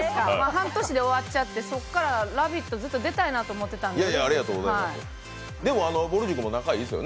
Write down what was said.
半年で終わっちゃってそっから「ラヴィット！」出たいと思ってたんですよ。